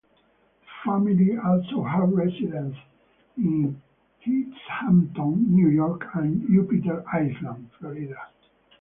The family also had residences in East Hampton, New York and Jupiter Island, Florida.